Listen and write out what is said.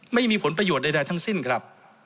ไม่มีผลประโยชน์ใดทั้งสิ้นครับ